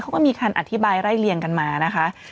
เขาก็มีความอธิบายไร่เรียงกันมานะคะ